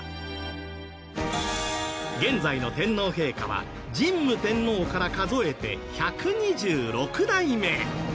現在の天皇陛下は神武天皇から数えて１２６代目。